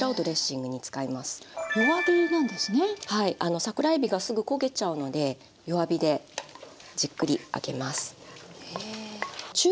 桜えびがすぐ焦げちゃうので弱火でじっくり揚げます。